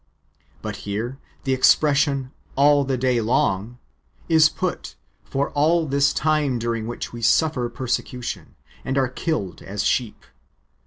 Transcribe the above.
"^ But here the expression " all the day long " is put for all this time during which we suffer persecution, and are killed as sheep.